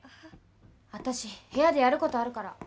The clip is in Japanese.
私部屋でやることあるから。